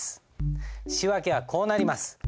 仕訳はこうなります。